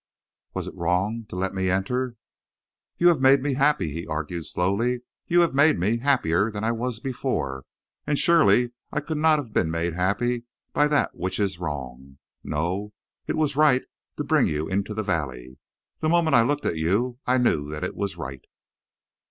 "Was it wrong to let me enter?" "You have made me happy," he argued slowly. "You have made me happier than I was before. And surely I could not have been made happy by that which is wrong. No, it was right to bring you into the valley. The moment I looked at you I knew that it was right."